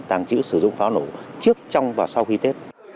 tảng chữ sử dụng pháo nổ trước trong và sau khi tết